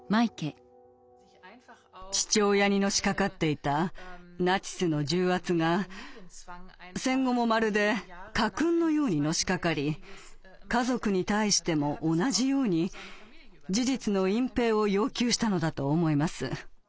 父親にのしかかっていたナチスの重圧が戦後もまるで家訓のようにのしかかり家族に対しても同じように事実の隠蔽を要求したのだと思います。